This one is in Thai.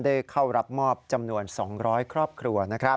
เข้ารับมอบจำนวน๒๐๐ครอบครัว